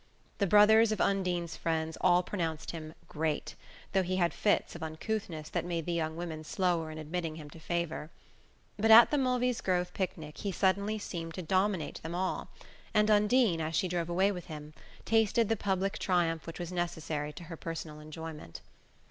The brothers of Undine's friends all pronounced him "great," though he had fits of uncouthness that made the young women slower in admitting him to favour. But at the Mulvey's Grove picnic he suddenly seemed to dominate them all, and Undine, as she drove away with him, tasted the public triumph which was necessary to her personal enjoyment.